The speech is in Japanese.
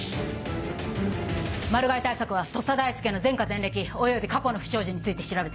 マル害対策は土佐大輔の前科前歴および過去の不祥事について調べて。